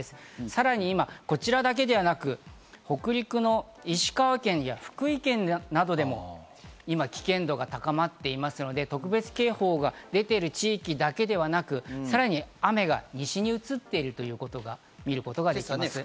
さらに今こちらだけではなく、北陸の石川県や福井県などでも今、危険度が高まっていますので、特別警報が出ている地域だけではなく、さらに雨が西に移っているということを見ることができます。